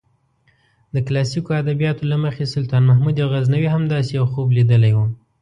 د کلاسیکو ادبیاتو له مخې سلطان محمود غزنوي هم داسې یو خوب لیدلی و.